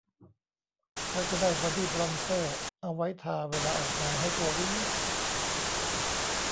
ก็จะได้บอดี้บรอนเซอร์เอาไว้ทาเวลาออกงานให้ตัววิ้ง